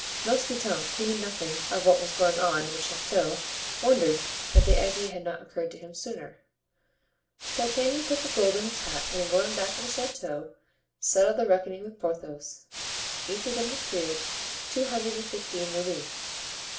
Mousqueton, who knew nothing of what was going on in the chateau, wondered that the idea had not occurred to him sooner. D'Artagnan put the gold in his hat, and in going back to the chateau settled the reckoning with Porthos, each of them had cleared two hundred and fifteen louis.